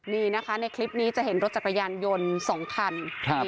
นี่นะคะในคลิปนี้จะเห็นรถจักรยานยนต์สองคันครับ